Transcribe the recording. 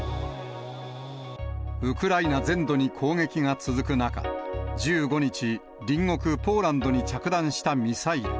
ウクライナ全土に攻撃が続く中、１５日、隣国ポーランドに着弾したミサイル。